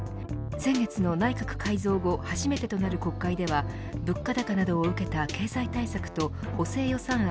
先月の内閣改造後初めとなる公開では物価高などを受けた経済対策と補正予算案